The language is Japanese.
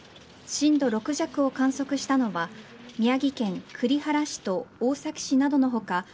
震度６弱を観測したのは宮城県栗原市と大崎市などの他